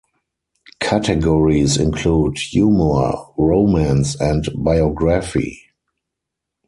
Categories include Humor, Romance and Biography.